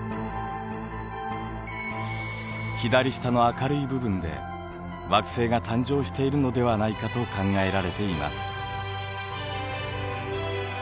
左下の明るい部分で惑星が誕生しているのではないかと考えられています。